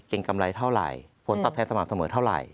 กำไรเท่าไหร่ผลตอบแทนสม่ำเสมอเท่าไหร่